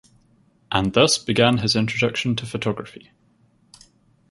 And thus began his introduction to photography.